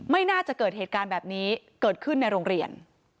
ไม่น่าจะเกิดเหตุการณ์แบบนี้เกิดขึ้นในโรงเรียน